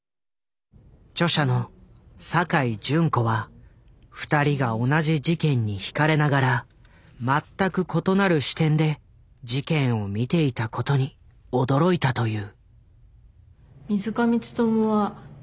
著者の酒井順子は２人が同じ事件にひかれながら全く異なる視点で事件を見ていたことに驚いたという。